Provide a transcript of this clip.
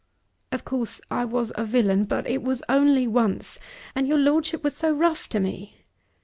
"Of course I was a villain. But it was only once; and your Lordship was so rough to me!